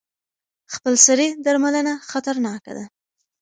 خپلسري درملنه خطرناکه ده.